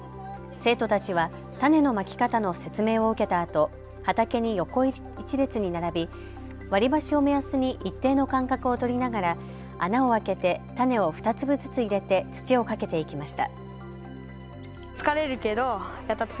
生徒たちは、種のまき方の説明を受けたあと畑に横一列に並び、割り箸を目安に一定の間隔を取りながら穴を開けて、種を２粒ずつ入れて土をかけていきました。